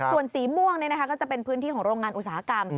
ส่วนสีม่วงก็จะเป็นพื้นที่ของโรงงานอุตสาหกรรม